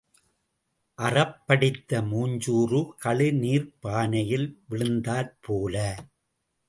அறப்படித்த மூஞ்சூறு கழுநீர்ப் பானையில் விழுந்தாற் போல.